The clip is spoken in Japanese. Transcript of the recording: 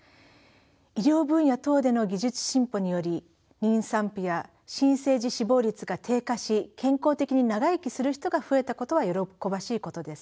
医療分野等での技術進歩により妊産婦や新生児死亡率が低下し健康的に長生きする人が増えたことは喜ばしいことです。